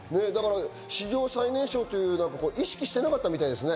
史上最年少ということを意識してなかったみたいですね。